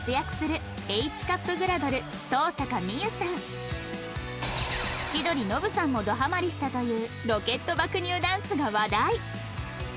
数々の千鳥ノブさんもどハマリしたというロケット爆乳ダンスが話題